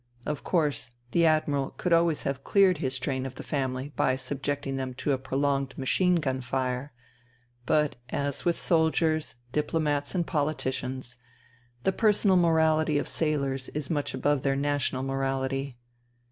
Of course, the Admiral could always have cleared his train of the family by subjecting them to a prolonged machine gun fire ; but, as with soldiers, diplomats and politicians, the personal morality of sailors is much above their national morality.